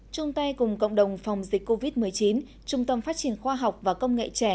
trung tay cùng cộng đồng phòng dịch covid một mươi chín trung tâm phát triển khoa học và công nghệ trẻ